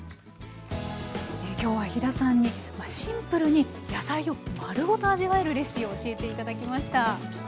今日は飛田さんにシンプルに野菜を丸ごと味わえるレシピを教えて頂きました。